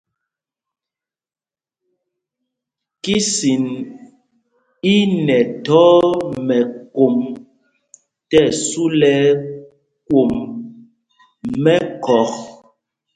Kisin i nɛ thɔɔ mɛkom tí ɛsu lɛ ɛkwom mɛkhɔk.